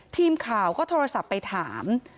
ทีมข่าวก็โทรศัพท์ไปถาม